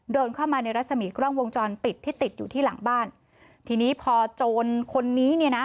เดินเข้ามาในรัศมีกล้องวงจรปิดที่ติดอยู่ที่หลังบ้านทีนี้พอโจรคนนี้เนี่ยนะ